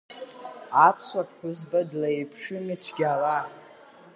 Аԥсуа ԥҳәызба длеиԥшыми цәгьала?